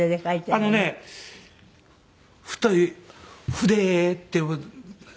あのね太い筆って。